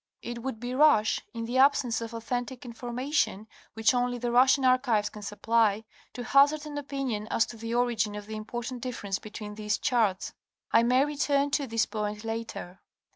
It would be rash, in the absence of authentic information which only the Russian archives can supply, to hazard an opinion as to the origin of the important difference between these charts. I may return to this point later.